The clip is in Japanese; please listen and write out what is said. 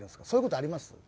そういうことあります？